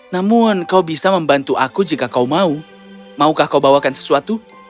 namun kau bisa membantu aku jika kau mau maukah kau bawakan sesuatu